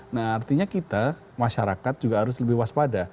nah artinya kita masyarakat juga harus lebih waspada